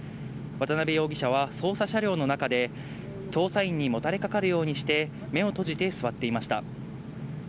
渡辺容疑者は捜査車両の中で捜査員にもたれかかるようにして目を閉じて座っていました。